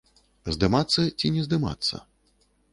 Здымацца ці не здымацца?